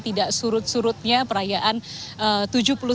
tidak surut surutnya perayaan tujuh puluh tujuh tahun indonesia